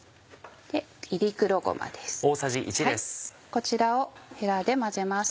こちらをヘラで混ぜます。